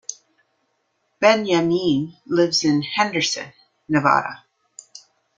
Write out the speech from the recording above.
Benyamine lives in Henderson, Nevada.